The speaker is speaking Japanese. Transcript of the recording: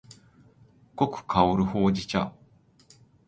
濃く香るほうじ茶